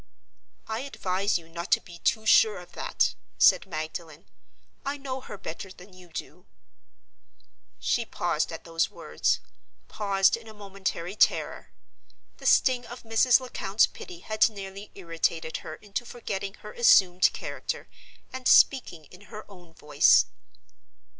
"I advise you not to be too sure of that," said Magdalen. "I know her better than you do." She paused at those words—paused in a momentary terror. The sting of Mrs. Lecount's pity had nearly irritated her into forgetting her assumed character, and speaking in her own voice.